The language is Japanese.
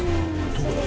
どこだ？